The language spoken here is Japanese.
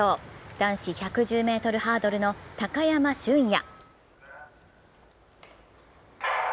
男子１１０ｍハードルの高山峻野。